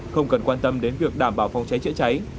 không cần quan tâm đến việc đảm bảo phòng cháy chữa cháy